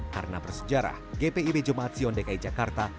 karena bersejarah gpi bejomahat sion dki jakarta